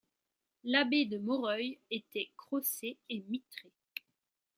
L'abbé de Moreuil était crossé et mitré.